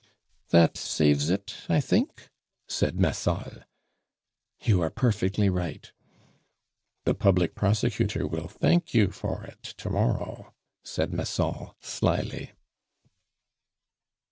"That saves it, I think?" said Massol. "You are perfectly right." "The public prosecutor will thank you for it to morrow," said Massol slyly.